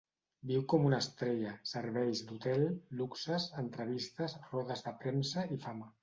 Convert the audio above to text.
Viu com una estrella, serveis d'hotel, luxes, entrevistes, rodes de premsa i fama.